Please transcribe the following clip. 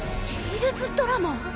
シールズドラモン？